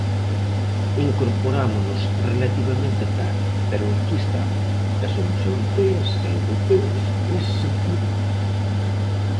Incorporámonos relativamente tarde pero aquí estamos, e somos europeas e europeos nese sentido.